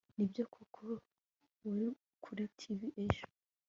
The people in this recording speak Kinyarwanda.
nibyo koko ko wari kuri tv ejo